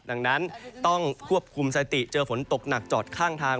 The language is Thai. ดังนั้นต้องควบคุมสติเจอฝนตกหนักจอดข้างทาง